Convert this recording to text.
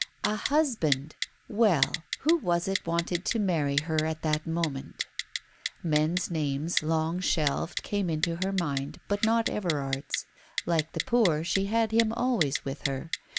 A husband ! Well, who was it wanted to marry her at that moment ? Men's names, long shelved, came into her mind, but not Everard's. Like the poor, she had him always with her.